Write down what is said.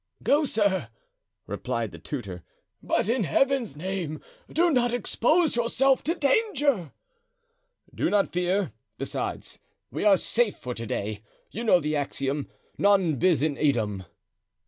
"Go, sir," replied the tutor; "but in Heaven's name do not expose yourself to danger!" "Do not fear. Besides, we are safe for to day; you know the axiom, 'Non bis in idem.